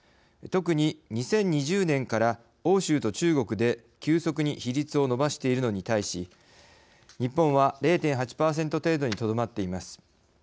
特に、２０２０年から欧州と中国で、急速に比率を伸ばしているのに対し日本は、０．８％程度にとどまっています。